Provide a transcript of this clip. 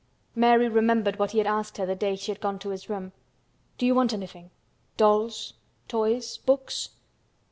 Mary remembered what he had asked her the day she had gone to his room. "Do you want anything—dolls—toys—books?"